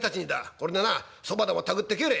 これでなそばでもたぐって帰れ。